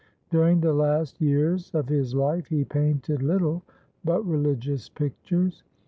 During the last years of his life, he painted little but religious pictures.